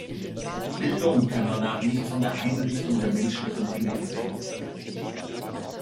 Bildung kann danach nicht von der Einrichtung der menschlichen Dinge getrennt werden.